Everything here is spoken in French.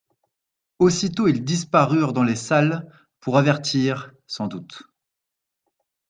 Aussitôt ils disparurent dans les salles, pour avertir, sans doute.